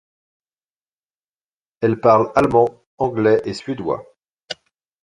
Elle parle allemand, anglais et suédois.